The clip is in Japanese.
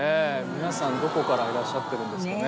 皆さんどこからいらっしゃってるんですかね？